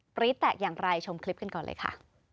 รี๊ดแตกอย่างไรชมคลิปกันก่อนเลยค่ะ